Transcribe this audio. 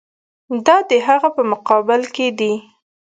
دا د هغه په مقابل کې دي.